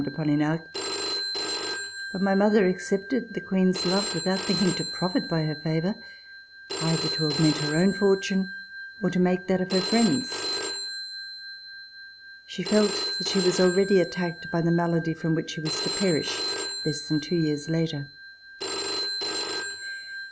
de Polignac, but my mother accepted the Queen's love without thinking to profit by her favor, either to augment her own fortune or to make that of her friends. She felt that she was already attacked by the malady from which she was to perish less than two years later.